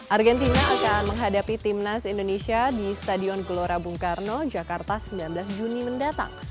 argentina akan menghadapi timnas indonesia di stadion gelora bung karno jakarta sembilan belas juni mendatang